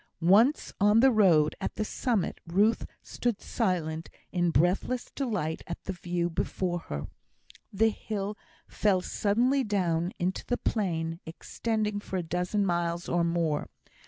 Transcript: Once on the road, at the summit, Ruth stood silent, in breathless delight at the view before her. The hill fell suddenly down into the plain, extending for a dozen miles or more.